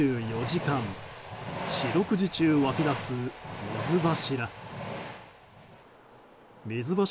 ２４時間四六時中湧き出す水柱。